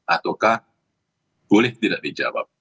ataukah boleh tidak dijawab